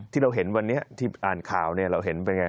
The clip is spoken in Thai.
ที่เราเห็นวันนี้ที่อ่านข่าวเราเห็นเป็นไง